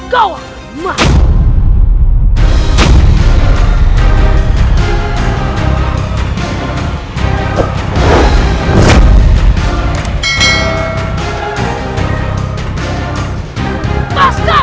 kau akan dimasukkan